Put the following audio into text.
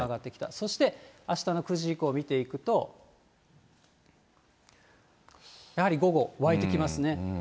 そしてあしたの９時以降、見ていくと、やはり午後、湧いてきますね。